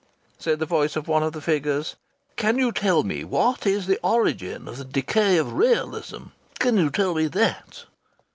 Said the voice of one of the figures: "Can you tell me what is the origin of the decay of realism? Can you tell me that?"